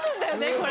これ。